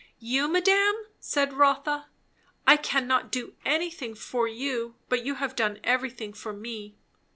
"You, madame?" said Rotha. "I cannot do anything for you; but you have done everything for me."